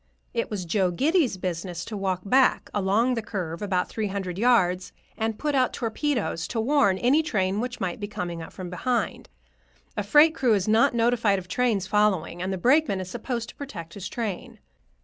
It was Joe Giddy's business to walk back along the curve about three hundred yards and put out torpedoes to warn any train which might be coming up from behind—a freight crew is not notified of trains following, and the brakeman is supposed to protect his train.